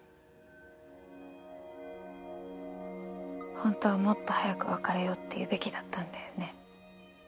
本当はもっと早く別れようって言うべきだったんだよね。